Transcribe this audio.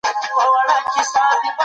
ښه خلک د بدو خلکو په پرتله ډېر کم دي.